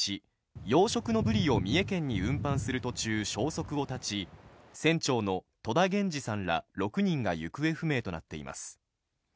養殖のブリを三重県に運搬する途中消息を絶ち船長の戸田源二さんら６人が行方不明となっています